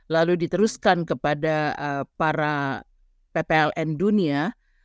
lalu diteruskan kepada para ppln dunia